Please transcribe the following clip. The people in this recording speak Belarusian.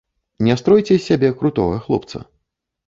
Не стройце з сябе крутога хлопца.